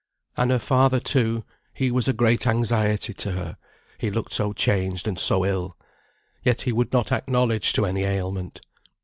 And her father, too he was a great anxiety to her, he looked so changed and so ill. Yet he would not acknowledge to any ailment.